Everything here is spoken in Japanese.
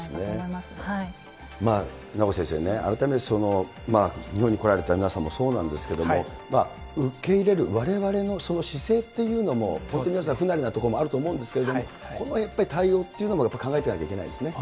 まあ、名越先生ね、改めて日本に来られた皆さんもそうなんですけれども、受け入れるわれわれのその姿勢というのも、本当に皆さん、不慣れなところもあると思うんですけれども、ここはやっぱり、対応というのも考えていかなきゃいけないですね。